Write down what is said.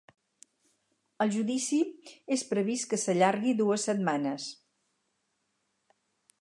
El judici és previst que s’allargui dues setmanes.